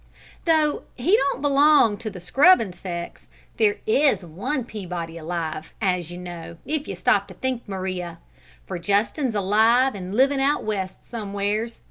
"Though he don't belong to the scrubbin' sex, there is one Peabody alive, as you know, if you stop to think, Maria; for Justin's alive, and livin' out West somewheres.